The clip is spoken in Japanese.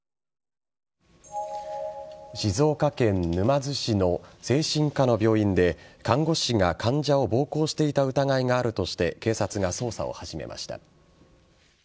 静岡県沼津市の精神科の病院で看護師が患者を暴行していた疑いがあるとして警察が捜査を始めました。